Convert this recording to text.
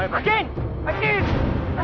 buat apa kalian